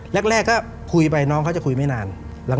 แรกก็คุยไปน้องเขาจะคุยไม่นาน